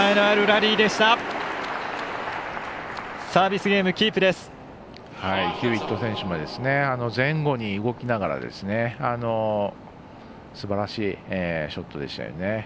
ヒューウェット選手も前後に動きながらすばらしいショットでしたよね。